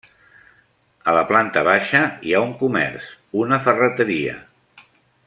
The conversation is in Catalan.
A la planta baixa hi ha un comerç, una ferreteria.